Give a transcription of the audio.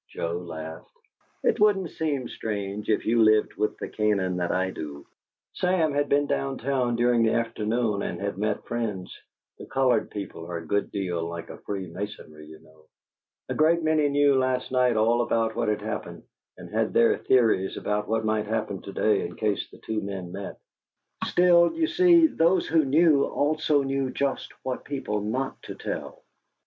Joe laughed. "It wouldn't seem strange if you lived with the Canaan that I do. Sam had been down town during the afternoon and had met friends; the colored people are a good deal like a freemasonry, you know. A great many knew last night all about what had happened, and had their theories about what might happen to day in case the two men met. Still, you see, those who knew, also knew just what people not to tell.